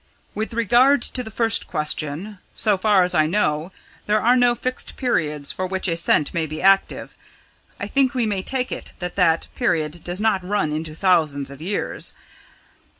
"With regard to the first question so far as I know, there are no fixed periods for which a scent may be active I think we may take it that that period does not run into thousands of years.